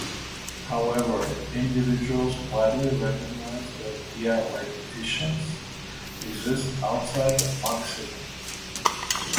However, individuals widely recognized as dialecticians exist outside of Marxism.